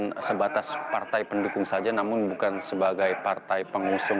tersebut di atas partai pendukung saja namun bukan sebagai partai pengusung